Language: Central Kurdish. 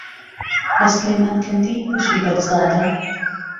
له سلێمانکهندی بهشی بهگزاده